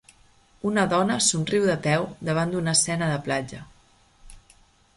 Una dona somriu de peu davant d'una escena de platja.